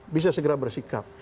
bisa segera bersikap